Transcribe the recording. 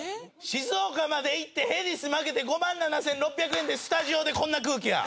静岡まで行ってへディス負けて５万７６００円でスタジオでこんな空気や！